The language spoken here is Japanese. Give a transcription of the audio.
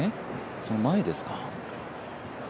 その前ですか。